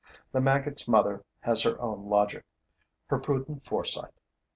The maggots' mother has her own logic, her prudent foresight.